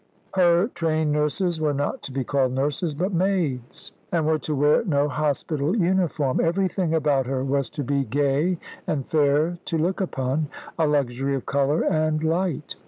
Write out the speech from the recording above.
Her trained nurses were not to be called nurses, but maids, and were to wear no hospital uniform. Everything about her was to be gay and fair to look upon a luxury of colour and light.